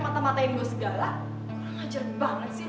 emang ngajarin banget sih